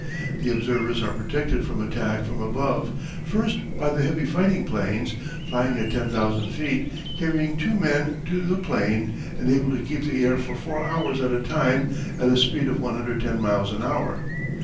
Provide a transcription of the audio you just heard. The observers are protected from attack from above, first by the heavy fighting planes, flying at ten thousand feet, carrying two men to the plane and able to keep the air for four hours at a time at a speed of 110 miles an hour.